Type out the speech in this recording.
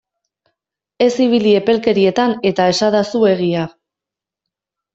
Ez ibili epelkerietan eta esadazu egia!